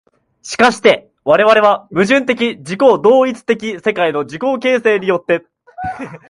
而して我々は矛盾的自己同一的世界の自己形成によって、